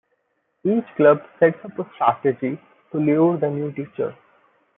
Each club sets up a strategy to lure the new teacher.